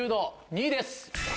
２位です。